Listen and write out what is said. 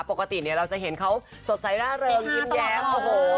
ปกติเนี่ยเราจะเห็นเขาสดใสร่าเริงยิ้มแย้มโอ้โห